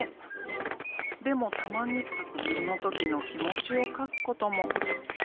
でもたまにその時の気持ちを書くことも。